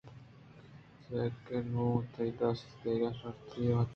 چیاکہ نوں تئی دست ءَ دگہ شرتری ئِے وَ نہ بیت